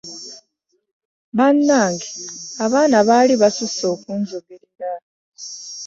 Bannange abaana baali basusse okunjogerera!